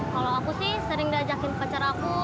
kalau aku sih sering diajakin pacar aku